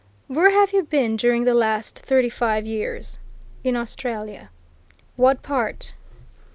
"Where have you been during the last thirty five years?" "In Australia." "What part?"